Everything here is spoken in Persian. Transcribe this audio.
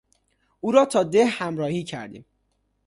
اورا تا ده همراهی کردیم